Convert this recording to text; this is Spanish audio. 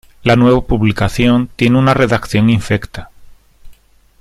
La nueva publicación tiene una redacción infecta.